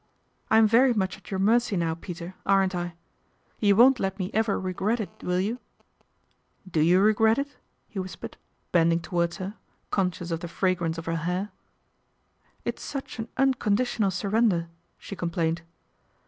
"I'm very much at your mercy now, Peter, aren't I ? You won't let me ever regret it, will you ?" "Do you Tegret it?" he whispered, bending towards her, conscious of the fragrance of her hair. "It's such an unconditional surrender," she complained.